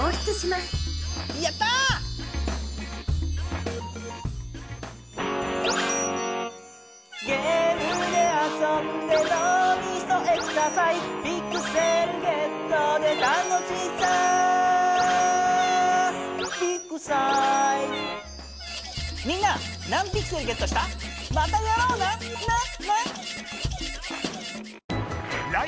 またやろうな。